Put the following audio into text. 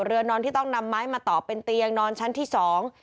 นอนที่ต้องนำไม้มาต่อเป็นเตียงนอนชั้นที่สอง